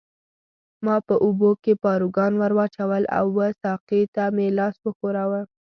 ما په اوبو کې پاروګان ورواچول او وه ساقي ته مې لاس وښوراوه.